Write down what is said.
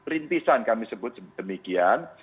rintisan kami sebut demikian